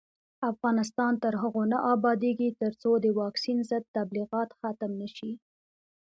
افغانستان تر هغو نه ابادیږي، ترڅو د واکسین ضد تبلیغات ختم نشي.